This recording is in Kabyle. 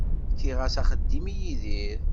Fkiɣ-as axeddim i Yidir.